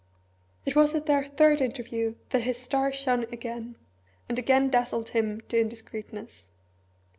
It was at their third interview that his star shone again, and again dazzled him to indiscreetness.